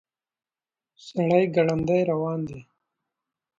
سړی ګړندي روان و.